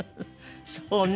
そうね。